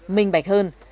minh bạch hơn